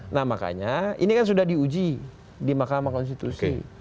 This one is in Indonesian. nah makanya ini kan sudah diuji di mahkamah konstitusi